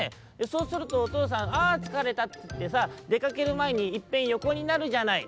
「そうするとおとうさんああつかれたっていってさでかけるまえにいっぺんよこになるじゃない」。